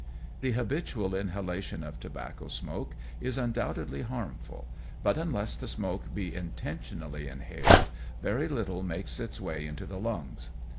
The habitual inhalation of tobacco smoke is undoubtedly harmful, but unless the smoke be intentionally inhaled, very little makes its way into the lungs.